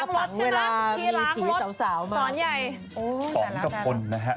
เพราะอ่ะเหรอ